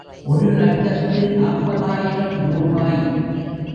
ஒரு லட்சத்து நாற்பதாயிரம் ரூபாய்!